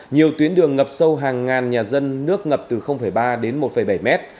nhiều tuyến đường ngập sâu hàng ngàn nhà dân nước ngập từ ba đến một bảy mét